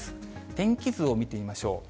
天気図を見てみましょう。